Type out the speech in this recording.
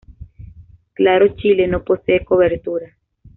Claro Chile no posee cobertura.